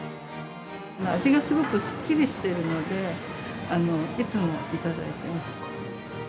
味がすごくすっきりしているので、いつも頂いてます。